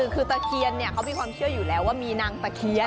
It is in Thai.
คือตะเคียนเขามีความเชื่ออยู่แล้วว่ามีนางตะเคียน